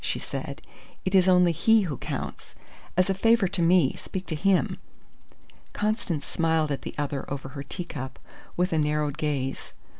she said. "It is only he who counts. As a favour to me, speak to him." Constance smiled at the other over her teacup, with a narrowed gaze.